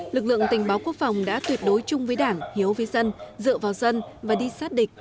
lực lượng tình báo quốc phòng đã tuyệt đối chung với đảng hiếu với dân dựa vào dân và đi sát địch